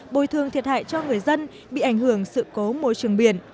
bồi thường thiệt hại cho người dân bị ảnh hưởng sự cố môi trường biển